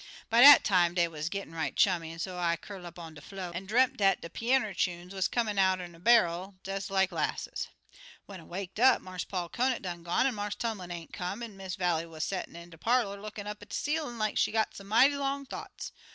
By dat time, dey wuz gettin' right chummy, an' so I des curl up on de flo', an' dream dat de peanner chunes wuz comin' out'n a bairl des like lasses. "When I waked up, Marse Paul Conant done gone, an' Marse Tumlin ain't come, an' Miss Vallie wuz settin' dar in de parlor lookin' up at de ceilin' like she got some mighty long thoughts.